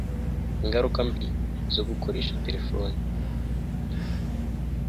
ingaruka mbi zo gukoresha telefoni